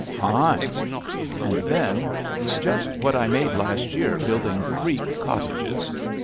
"Fine." And then, "Just what I made last year building freak cottages."